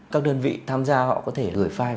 các đơn vị tham gia họ có thể gửi file